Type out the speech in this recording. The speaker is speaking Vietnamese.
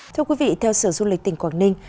thưa quý vị theo sở du lịch tỉnh quảng ninh